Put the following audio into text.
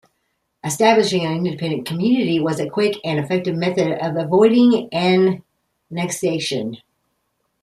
Establishing an independent community was a quick and effective method of avoiding annexation.